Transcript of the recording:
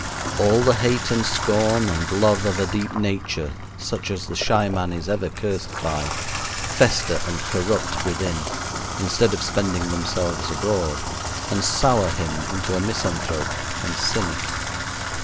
All the hate and scorn and love of a deep nature such as the shy man is ever cursed by fester and corrupt within, instead of spending themselves abroad, and sour him into a misanthrope and cynic.